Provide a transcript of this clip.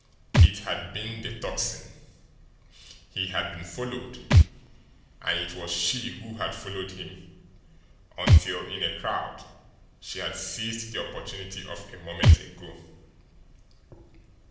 It had been the Tocsin. He had been followed; and it was she who had followed him, until, in a crowd, she had seized the opportunity of a moment ago.